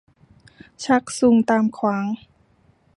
ชักซุงตามขวาง